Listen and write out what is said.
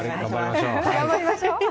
頑張りましょう。